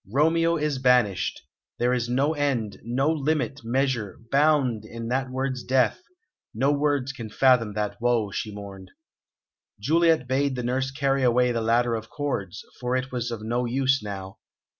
"Romeo is banished! There is no end, no limit, measure, bound, in that word's death; no words can fathom that woe," she mourned. Juliet bade the nurse carry away the ladder of cords, for it was of no use now.